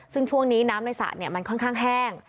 ซึ่งช่วงนี้น้ำในสระมันค่อนข้างแห้ง